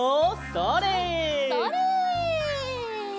それ！